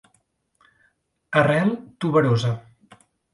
Arrel tuberosa.